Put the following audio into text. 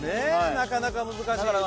なかなか難しい。